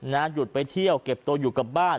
หยุดไปเที่ยวเก็บตัวอยู่กับบ้าน